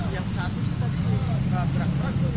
yang satu sih pak